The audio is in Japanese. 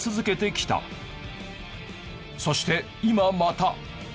そして今また。